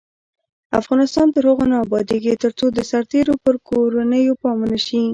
افغانستان تر هغو نه ابادیږي، ترڅو د سرتیرو پر کورنیو پام ونشي.